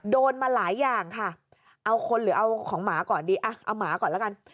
โดนมาหลายอย่างค่ะเอาคนหรือเอาของหมาก่อนดีอ่ะเอาหมาก่อนแล้วกัน